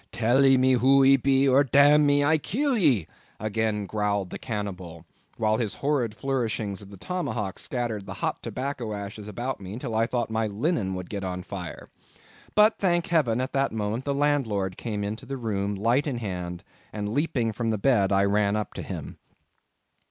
tell ee me who ee be, or dam me, I kill e!" again growled the cannibal, while his horrid flourishings of the tomahawk scattered the hot tobacco ashes about me till I thought my linen would get on fire. But thank heaven, at that moment the landlord came into the room light in hand, and leaping from the bed I ran up to him.